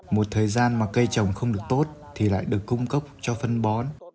một thời gian mà cây trồng không được tốt thì lại được cung cấp cho phân bón